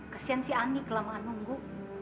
kesian si ani kelamaan nunggu